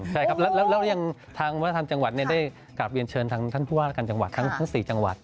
ใช่ครับแล้วยังทางวัฒนธรรมจังหวัดได้กลับเรียนเชิญทางท่านผู้ว่าราชการจังหวัดทั้ง๔จังหวัด